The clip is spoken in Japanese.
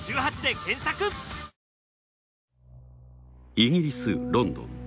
イギリスロンドン。